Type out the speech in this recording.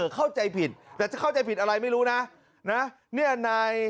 เข้าใจผิดแต่จะเข้าใจผิดอะไรไม่รู้นะนะ